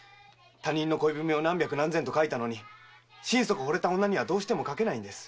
他人の恋文を何百何千と書いたのに心底惚れた女にはどうしても書けないんです。